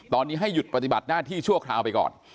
ตอนนี้ให้หยุดปฏิบัติหน้าที่ชั่วคราวไปก่อน